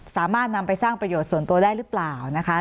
สามารถนำไปสร้างประโยชน์ส่วนตัวได้หรือเปล่านะคะ